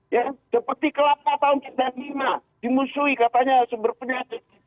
ya seperti kelapa tahun dua ribu lima dimutui katanya sumber penyakit